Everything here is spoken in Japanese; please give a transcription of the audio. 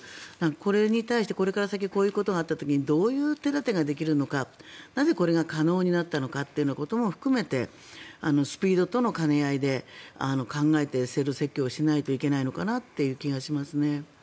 これに対して今後こういうことがあった時にどういう手立てができるのかなぜこれが可能になったのかというようなことも含めてスピードとの兼ね合いで考えて制度設計をしないといけないのかなという気がしますね。